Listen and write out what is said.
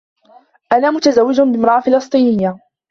أنا متزوّج بامرأة فلسطينية.